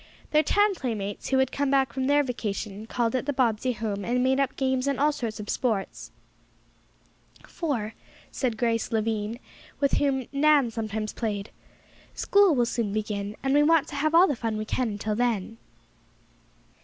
Their town playmates, who had come back from their vacations, called at the Bobbsey home, and made up games and all sorts of sports. "For," said Grace Lavine, with whom Nan sometimes played, "school will soon begin, and we want to have all the fun we can until then."